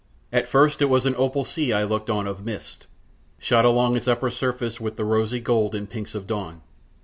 At first it was an opal sea I looked on of mist, shot along its upper surface with the rosy gold and pinks of dawn.